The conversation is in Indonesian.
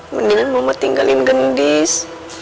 mendingan mama tinggalin gendis